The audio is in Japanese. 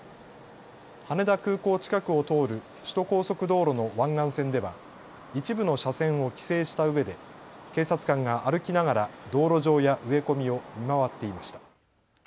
羽田空港近くを通る首都高速道路の湾岸線では一部の車線を規制したうえで警察官が歩きながら道路上や植え込みを見回っていました。